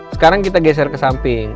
sekarang kita geser ke samping